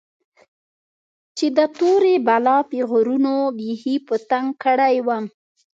چې د تورې بلا پيغورونو بيخي په تنگ کړى وم.